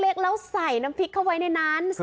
เออแล้วใส่น้ำพริกเข้าในนั้น